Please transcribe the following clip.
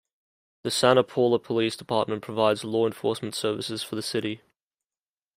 The Santa Paula Police Department provides law enforcement services for the City.